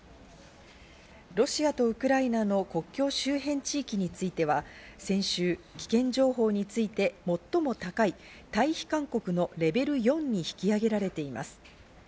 ロシアとウクライナの国境周辺地域については、先週、危険情報について最も高い退避勧告のレベル４に引き上げられています。